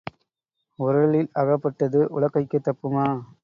உரலில் அகப்பட்டது உலக்கைக்கு தப்புமா?